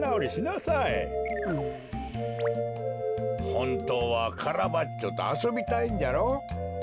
ほんとうはカラバッチョとあそびたいんじゃろ？